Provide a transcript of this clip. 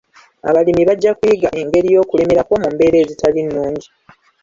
Abalimi bajja kuyiga engeri y'okulemerako mu mbeera ezitali nnungi.